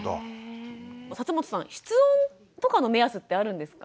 本さん室温とかの目安ってあるんですか？